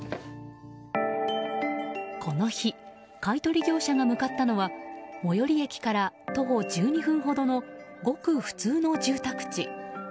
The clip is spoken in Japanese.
この日、買い取り業者が向かったのは最寄駅から徒歩１２分ほどのごく普通の住宅地。